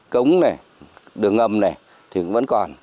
cống đường ngầm thì vẫn còn